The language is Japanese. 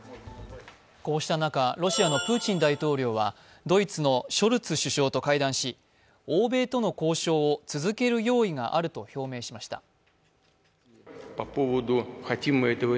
こうした中、ロシアのプーチン大統領はドイツのショルツ首相と会談し欧米との交渉を続ける用意があると表明しました。